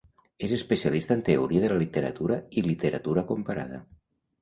És especialista en teoria de la literatura i literatura comparada.